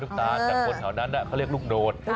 ลูกตานจากคนแถวนั้นเขาเรียกลูกโนธ